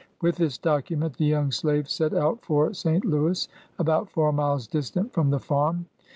With this document, the young slave set out for St. Louis, about four miles distant from the farm.